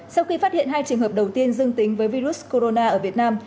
sau khi phát hiện hai trường hợp đầu tiên dương tính với virus corona ở việt nam